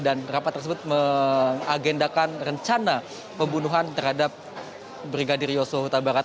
dan rapat tersebut mengagendakan rencana pembunuhan terhadap brigadir yosua huta barat